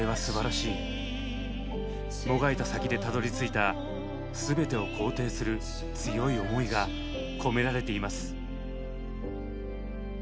もがいた先でたどりついた全てを肯定する強い思いが込められています。